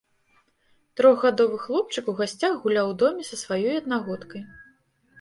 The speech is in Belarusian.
Трохгадовы хлопчык у гасцях гуляў у доме са сваёй аднагодкай.